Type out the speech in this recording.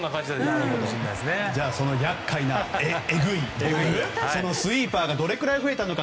その厄介でえぐいスイーパーがどれくらい増えたのか。